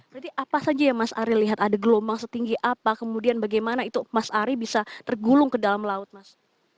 jadi apa saja ya mas ari lihat ada gelombang setinggi apa kemudian bagaimana itu mas ari bisa tergulung ke dalam laut mas